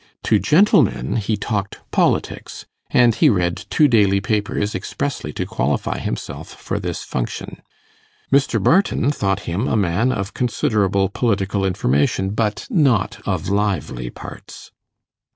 To gentlemen he talked politics, and he read two daily papers expressly to qualify himself for this function. Mr. Barton thought him a man of considerable political information, but not of lively parts.